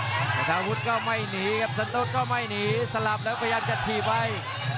ฆาตาวุฒิก็ไม่หนีครับสะโดดก็ไม่หนีสลับแล้วพยานกันทีไป